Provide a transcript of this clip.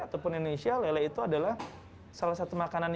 ataupun indonesia lele itu adalah salah satu makanan